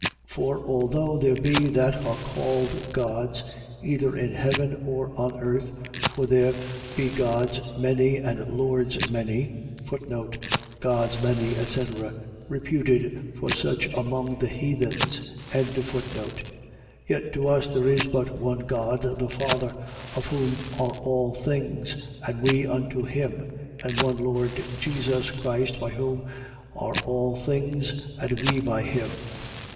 8:5. For although there be that are called gods, either in heaven or on earth (for there be gods many and lords many): Gods many, etc. . .Reputed for such among the heathens. 8:6. Yet to us there is but one God, the Father, of whom are all things, and we unto him: and one Lord Jesus Christ, by whom are all things, and we by him.